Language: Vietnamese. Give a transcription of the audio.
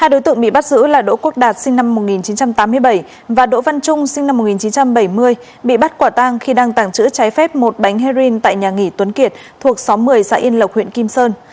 ba đối tượng bị bắt giữ là đỗ quốc đạt sinh năm một nghìn chín trăm tám mươi bảy và đỗ văn trung sinh năm một nghìn chín trăm bảy mươi bị bắt quả tang khi đang tàng trữ trái phép một bánh heroin tại nhà nghỉ tuấn kiệt thuộc xóm một mươi xã yên lộc huyện kim sơn